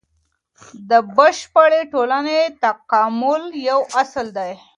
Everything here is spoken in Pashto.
د بشري ټولني تکامل يو اصل دی.